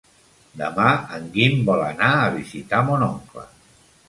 Demà en Guim vol anar a visitar mon oncle.